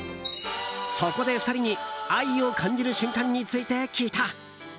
そこで２人に愛を感じる瞬間について聞いた。